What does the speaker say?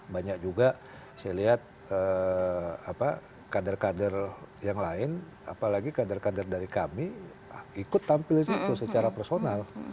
banyak juga saya lihat kader kader yang lain apalagi kader kader dari kami ikut tampil di situ secara personal